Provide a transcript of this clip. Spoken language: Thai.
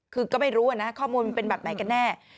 คือก็ไม่รู้นะข้อมูลมันเป็นแบบไหนกันแน่